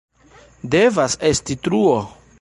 Devas esti truo!